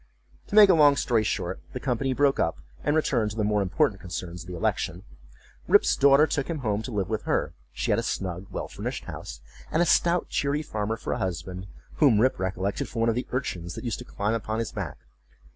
To make a long story short, the company broke up, and returned to the more important concerns of the election. Rip's daughter took him home to live with her; she had a snug, well furnished house, and a stout cheery farmer for a husband, whom Rip recollected for one of the urchins that used to climb upon his back.